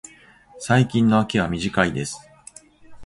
最近の秋は短いです。